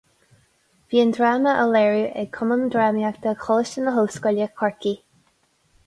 Bhí an dráma á léiriú ag Cumann Drámaíochta Choláiste na hOllscoile, Corcaigh.